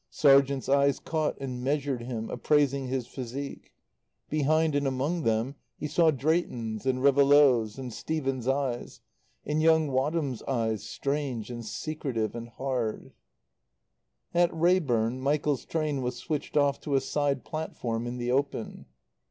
Sergeants' eyes caught and measured him, appraising his physique. Behind and among them he saw Drayton's, and Réveillaud's, and Stephen's eyes; and young Wadham's eyes, strange and secretive and hard. At Reyburn Michael's train was switched off to a side platform in the open.